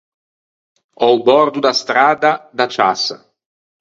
A-o bòrdo da stradda, da ciassa.